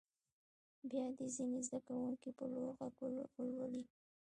بیا دې ځینې زده کوونکي په لوړ غږ ولولي.